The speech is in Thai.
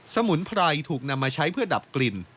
มุนไพรถูกนำมาใช้เพื่อดับกลิ่น